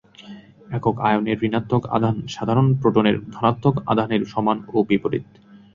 একক আয়নের ঋণাত্মক আধান সাধারণত প্রোটনের ধনাত্মক আধানের সমান ও বিপরীত।